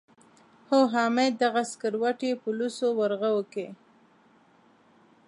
خو حامد دغه سکروټې په لوڅو ورغوو کې.